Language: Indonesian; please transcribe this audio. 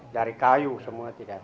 dari kayu semua tidak